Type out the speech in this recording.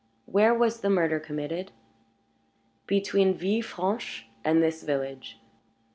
"Where was the murder committed?" "Between Villefranche and this village.